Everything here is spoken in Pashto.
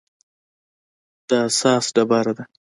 د اساس ډبره ده.